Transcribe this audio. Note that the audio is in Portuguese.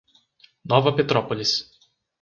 Nova Petrópolis